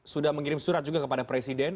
sudah mengirim surat juga kepada presiden